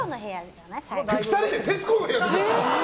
２人で「徹子の部屋」出たんですか。